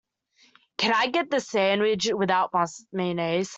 Can I get the sandwich without mayonnaise?